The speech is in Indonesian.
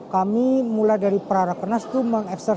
kami mulai dari pra raker nas itu mengeksesikan